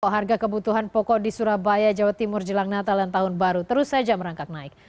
harga kebutuhan pokok di surabaya jawa timur jelang natal dan tahun baru terus saja merangkak naik